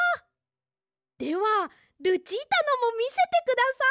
ではルチータのもみせてください。